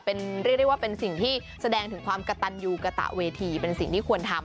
เป็นเรียกได้ว่าเป็นสิ่งที่แสดงถึงความกระตันยูกระตะเวทีเป็นสิ่งที่ควรทำ